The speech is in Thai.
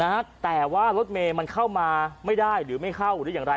นะฮะแต่ว่ารถเมย์มันเข้ามาไม่ได้หรือไม่เข้าหรืออย่างไร